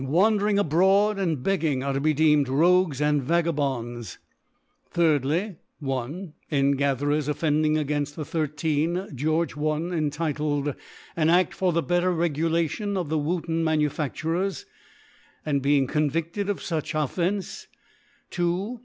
Wan dering abroad and begging, are to be deem ed Kogues and Vagabonds. Thirdfy^ I. End gatherers offending a gainft the i j George L entitled. An Attfor the better Regulation of the Woollen Mmu^ faSureSj &c. being convidled of fuch Of , fence 5 2.